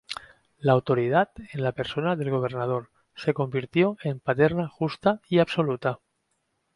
La autoridad, en la persona del gobernador, se convirtió en paterna, justa y absoluta.